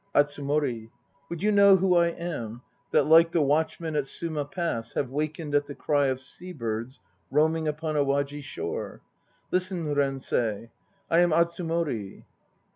ATSUMORI. Would you know who I am That like the watchmen at Suma Pass Have wakened at the cry of sea birds roaming Upon Awaji shore? Listen, Rensei. I am Atsumori.